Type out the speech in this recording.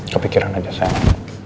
kepikiran aja sayang